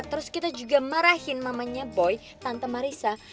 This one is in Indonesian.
terus kita juga marahin mamanya boy tante marissa